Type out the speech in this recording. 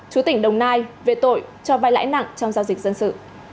trưởng tỉnh đồng nai về tội cho vay lãi nặng trong giao dịch dân sự